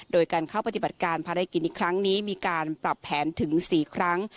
โดยการเข้าปฏิบัติการภารกิจในครั้งนี้มีการปรับแผนถึง๔ครั้ง